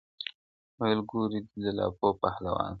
ويل گورئ دې د لاپو پهلوان ته.!